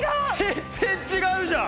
全然違うじゃん！